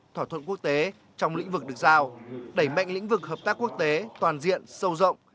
thỏa thuận quốc tế trong lĩnh vực được giao đẩy mạnh lĩnh vực hợp tác quốc tế toàn diện sâu rộng